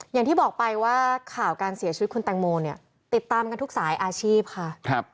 อย่างที่บอกไปว่าข่าวการเสียชีวิตคุณแตงโมเนี่ยติดตามกันทุกสายอาชีพค่ะ